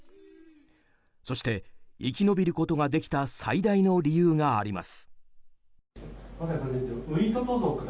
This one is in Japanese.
そして、生き延びることができた最大の理由があります。